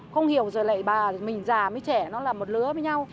không hiểu rồi lại bà mình già mới trẻ nó là một lứa với nhau